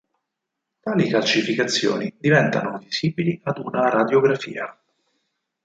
Tali calcificazioni diventano visibili ad una radiografia.